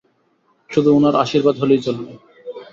শুধু উনার আশীর্বাদ হলেই চলবে!